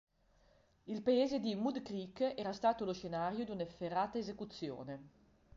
Il paese di Mud Creek era stato lo scenario di un'efferata esecuzione.